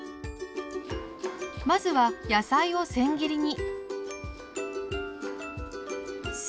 まずは野菜をせん切りに。